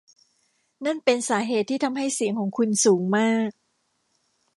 นั่นเป็นสาเหตุที่ทำให้เสียงของคุณสูงมาก